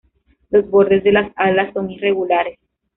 Los bordes de las alas son irregulares.